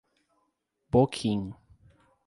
Boquim